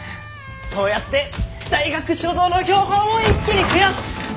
そうやって大学所蔵の標本を一気に増やす！